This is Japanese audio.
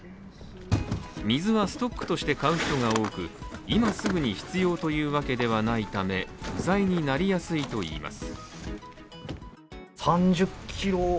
水はストックとして買う人が多く今すぐに必要というわけではないため不在になりやすいといいます。